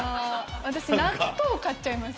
私納豆買っちゃいます。